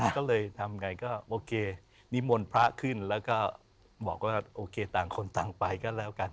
ก็เลยทำไงก็โอเคนิมนต์พระขึ้นแล้วก็บอกว่าโอเคต่างคนต่างไปก็แล้วกัน